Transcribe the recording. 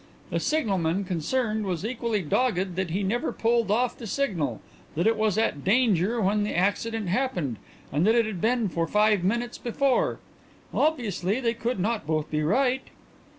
The signalman concerned was equally dogged that he never pulled off the signal that it was at 'danger' when the accident happened and that it had been for five minutes before. Obviously, they could not both be right."